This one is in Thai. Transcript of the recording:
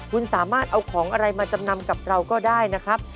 คุณสามารถเอาของอะไรมาจำนำกับเราก็ได้นะครับ